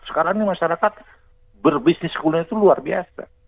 sekarang ini masyarakat berbisnis kuliner itu luar biasa